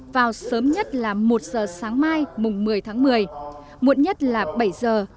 vào sớm nhất là một giờ sáng mai mùng một mươi tháng một mươi muộn nhất là bảy giờ